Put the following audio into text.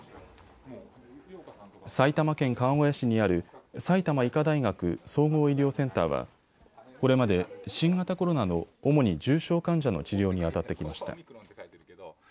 埼玉県川越市にある埼玉医科大学総合医療センターはこれまで新型コロナの主に重症患者の治療にあたってきました。